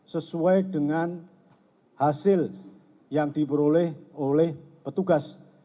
sesuai dengan hasil yang diperoleh oleh petugas